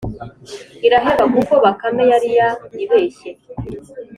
Iraheba kuko bakame yari yayibeshye